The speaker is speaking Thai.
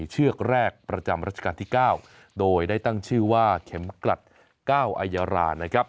เชือกแรกประจำรัชกาลที่๙โดยได้ตั้งชื่อว่าเข็มกลัด๙อายารานะครับ